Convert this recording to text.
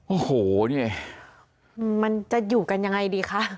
โอ้โหนี่มันจะอยู่กันยังไงดีคะ